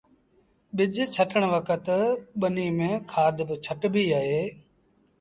ٻج ڇٽڻ وکت ٻنيٚ ميݩ کآڌ با ڇٽبيٚ اهي